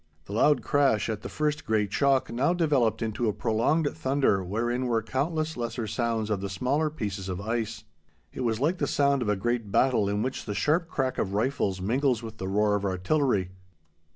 The loud crash at the first great shock now developed into a prolonged thunder wherein were countless lesser sounds of the smaller pieces of ice. It was like the sound of a great battle in which the sharp crack of rifles mingles with the roar of artillery.